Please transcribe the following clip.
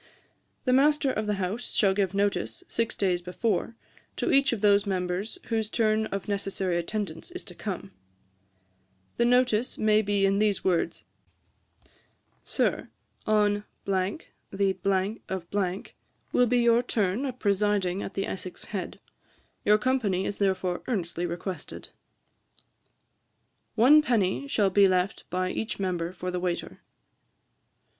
'The master of the house shall give notice, six days before, to each of those members whose turn of necessary attendance is come. 'The notice may be in these words: "Sir, On the of will be your turn of presiding at the Essex Head. Your company is therefore earnestly requested." 'One penny shall be left by each member for the waiter.'